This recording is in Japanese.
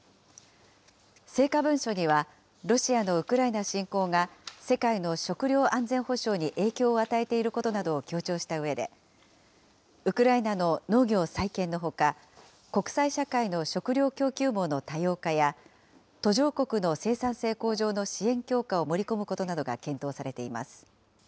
成果文書には、ロシアのウクライナ侵攻が世界の食料安全保障に影響を与えていることなどを強調したうえで、ウクライナの農業再建のほか、国際社会の食料供給網の多様化や、途上国の生産性向上の支援強化を盛り込むことなどが検討されています。